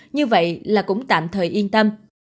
như vậy là cũng tạm thời yên tâm